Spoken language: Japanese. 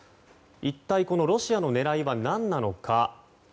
一体このロシアの狙いは何なのか。